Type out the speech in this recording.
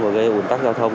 và gây ủn tắc giao thông